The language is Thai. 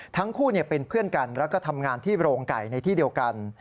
ทั้งคู่เป็นเพื่อนกันแล้วก็ทำงานที่โรงไก่ในที่เดียวกัน